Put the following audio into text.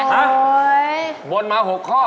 เดี๋ยวหนูบ่นมาหกข้อ